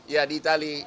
ya di itali